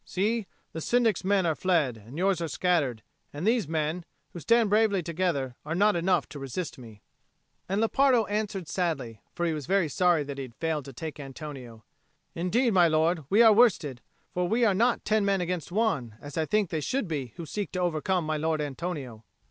See, the Syndic's men are fled, and yours are scattered, and these men, who stand bravely together, are not enough to resist me." And Lepardo answered sadly for he was very sorry that he had failed to take Antonio "Indeed, my lord, we are worsted. For we are not ten men against one, as I think they should be who seek to overcome my lord Antonio."